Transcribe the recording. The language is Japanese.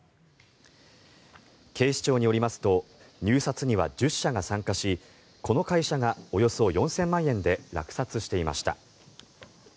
警視庁によりますと入札には１０社が参加しこの会社がおよそ４０００万円で落札していました。